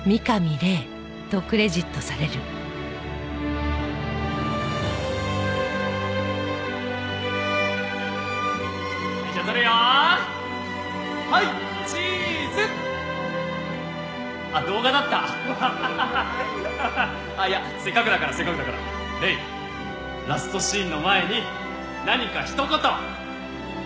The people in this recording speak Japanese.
「礼ラストシーンの前に何かひと言！」